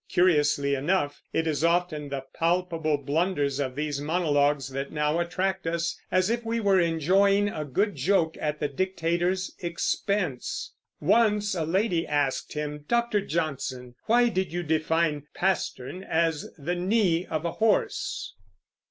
Curiously enough, it is often the palpable blunders of these monologues that now attract us, as if we were enjoying a good joke at the dictator's expense. Once a lady asked him, "Dr. Johnson, why did you define pastern as the knee of a horse?"